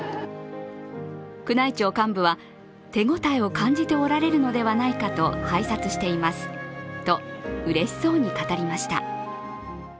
宮内庁幹部は、手応えを感じておられるのではないかと拝察していますとうれしそうに語りました。